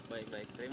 baik baik terima kasih